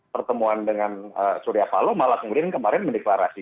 pertemuan dengan surya paloh malah kemudian kemarin mendeklarasi